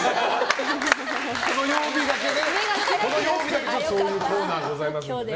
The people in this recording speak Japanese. この曜日だけそういうコーナーがございますのでね。